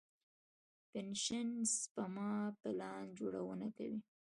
پنشن سپما پلان جوړونه کوي.